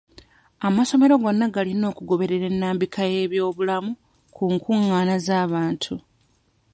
Amasomero gonna galina okugoberera ennambika y'ebyobulamu ku nkungaana z'abantu.